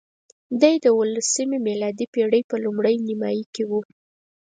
دی د اوولسمې میلادي پېړۍ په لومړۍ نیمایي کې وو.